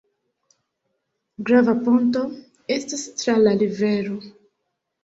Grava ponto estas tra la rivero.